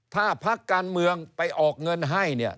ถ้าพักการเมืองไปออกเงินให้เนี่ย